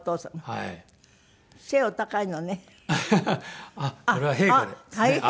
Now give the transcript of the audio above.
はい。